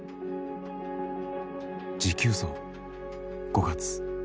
「持久走」「５月」。